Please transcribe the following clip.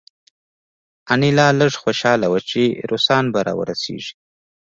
انیلا لږه خوشحاله وه چې روسان به راورسیږي